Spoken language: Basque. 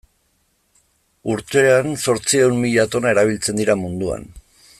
Urtean zortziehun mila tona erabiltzen dira munduan.